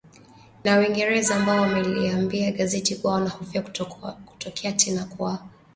na Uingereza ambao wameliambia gazeti kuwa wanahofia kutokea tena kwa